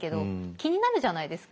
気になるじゃないですか。